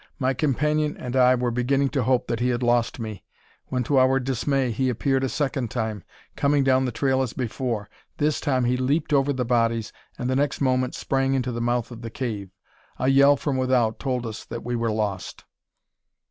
My companion and I were beginning to hope that he had lost me, when, to our dismay, he appeared a second time, coming down the trail as before. This time he leaped over the bodies, and the next moment sprang into the mouth of the cave. A yell from without told us that we were lost.